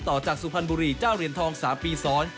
ต่อจากสุพรรณบุรีเจ้าเหรียญทอง๓ปีซ้อน